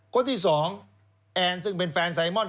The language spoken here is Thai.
คนที่สองแอนซึ่งเป็นแฟนไซมอน